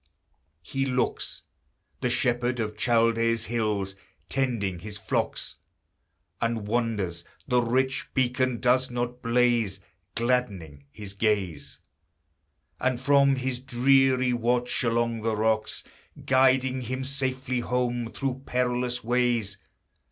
He looks, the shepherd of Chaldea's hills Tending his flocks, And wonders the rich beacon does not blaze, Gladdening his gaze; And from his dreary watch along the rocks, Guiding him safely home through perilous ways!